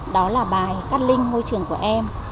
đó là bài cát linh hôi trường của em